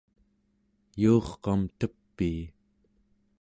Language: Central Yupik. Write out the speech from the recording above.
yuurqam tepii